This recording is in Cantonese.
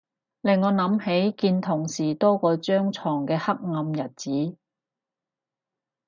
令我諗起見同事多過張牀嘅黑暗日子